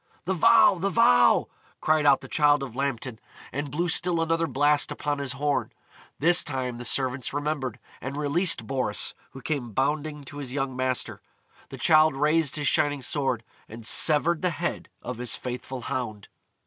"The vow! the vow!" cried out the Childe of Lambton, and blew still another blast upon his horn. This time the servants remembered, and released Boris, who came bounding to his young master. The Childe raised his shining sword, and severed the head of his faithful hound.